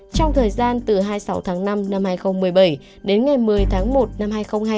trong thời gian từ hai mươi sáu tháng năm năm hai nghìn một mươi bảy đến ngày một mươi tháng một năm hai nghìn hai mươi